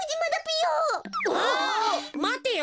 まてよ。